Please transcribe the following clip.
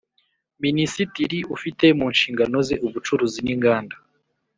Minisitiri ufite mu nshingano ze Ubucuruzi n’Inganda